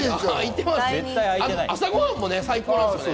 朝ご飯も最高なんですよね。